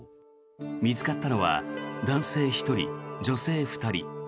見つかったのは男性１人、女性２人。